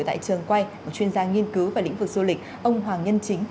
tại trường quay một chuyên gia nghiên cứu về lĩnh vực du lịch ông hoàng nhân chính